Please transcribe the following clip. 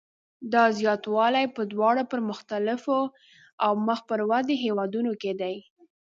دا زیاتوالی په دواړو پرمختللو او مخ پر ودې هېوادونو کې دی.